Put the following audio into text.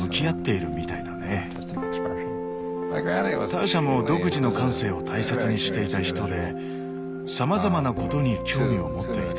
ターシャも独自の感性を大切にしていた人でさまざまなことに興味を持っていたよ。